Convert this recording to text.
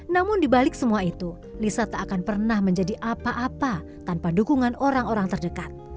namun dibalik semua itu lisa tak akan pernah menjadi apa apa tanpa dukungan orang orang terdekat